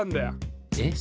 えっ？